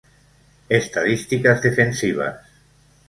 Estadísticas Defensivas